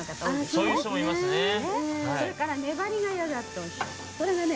それから粘りがやだっておっしゃる。